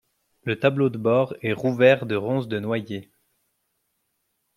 Le tableau de bord est rouvert de ronce de noyer.